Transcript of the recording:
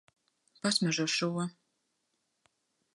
Pasmaržo šo.